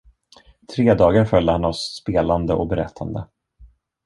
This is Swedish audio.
Tre dagar följde han oss spelande och berättande.